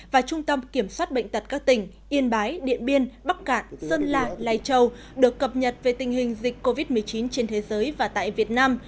và trung tâm kiểm soát bệnh tật các tỉnh yên bái điện biên bắc cạn sơn lạ lai châu được cập nhật về tình hình dịch covid một mươi chín trên thế giới và tại việt nam